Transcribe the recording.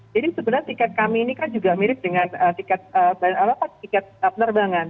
jadi sebenarnya tiket kami ini kan juga mirip dengan tiket penerbangan